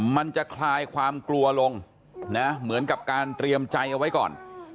มันจะคลายความกลัวลงนะเหมือนกับการเตรียมใจเอาไว้ก่อน